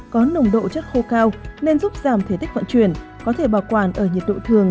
có nồng độ chất khô cao nên giúp giảm thể tích vận chuyển có thể bảo quản ở nhiệt độ thường